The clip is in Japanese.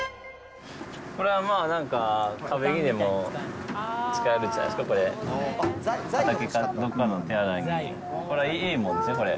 これはまあ、なんか壁にでも使えるんじゃないですか、これ。